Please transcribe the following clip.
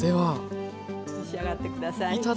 召し上がってください。